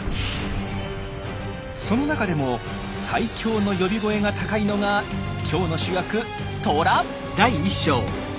その中でも最強の呼び声が高いのが今日の主役トラ！